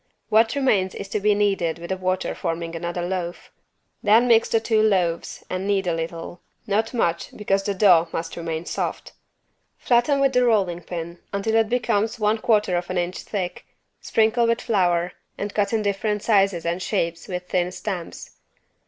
What remains is to be kneaded with water forming another loaf. Then mix the two loaves and knead a little, not much because the dough must remain soft. Flatten with the rolling pin until it becomes one quarter of an inch thick, sprinkle with flour, and cut in different sizes and shapes with thin stamps.